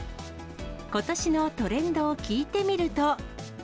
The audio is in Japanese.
ことしのトレンドを聞いてみると。